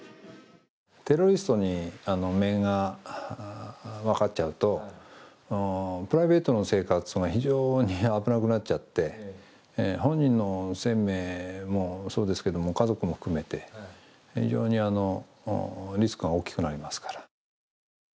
テロリストに面が分かっちゃうと、プライベートの生活が非常に危なくなっちゃって本人の生命もそうですけど家族も含めて非常にリスクが大きくなりますから。